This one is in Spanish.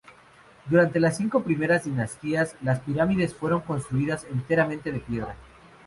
Durante las cinco primeras dinastías, las pirámides fueron construidas enteramente de piedra.